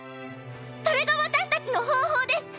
それが私たちの方法です！